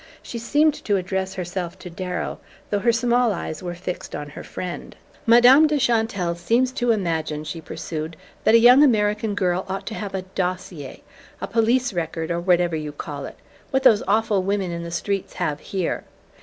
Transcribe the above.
She seemed to address herself to Darrow, though her small eyes were fixed on her friend. "Madame de Chantelle seems to imagine," she pursued, "that a young American girl ought to have a dossier a police record, or whatever you call it: what those awful women in the streets have here.